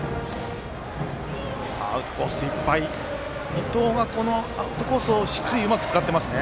伊藤はアウトコースをしっかり、うまく使っていますね。